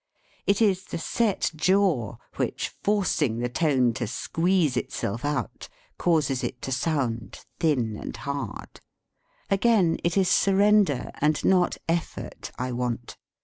It is the set jaw which, forcing the tone to squeeze itself out, causes it to sound thin and hard. Again, it is surrender and not effort I want.